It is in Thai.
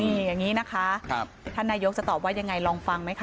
นี่อย่างนี้นะคะท่านนายกจะตอบว่ายังไงลองฟังไหมคะ